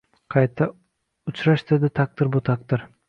Qayta uchrashtirdi taqdir bu taqdir